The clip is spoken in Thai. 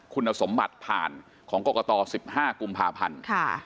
คุณสมบัติผ่านของกรกต๑๕กุมภาพันธ์